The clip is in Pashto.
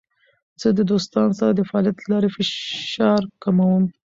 زه د دوستانو سره د فعالیت له لارې فشار کموم.